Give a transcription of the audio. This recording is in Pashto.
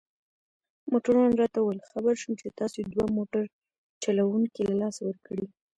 موټروان راته وویل: خبر شوم چي تاسي دوه موټر چلوونکي له لاسه ورکړي.